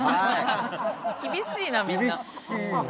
厳しいなみんな。